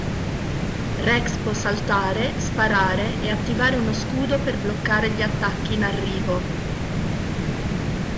Rex può saltare, sparare e attivare uno scudo per bloccare gli attacchi in arrivo.